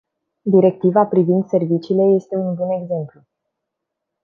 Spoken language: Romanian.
Directiva privind serviciile este un bun exemplu.